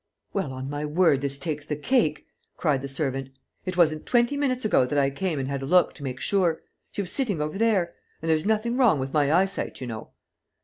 "Well, on my word, this takes the cake!" cried the servant. "It wasn't twenty minutes ago that I came and had a look, to make sure. She was sitting over there. And there's nothing wrong with my eyesight, you know."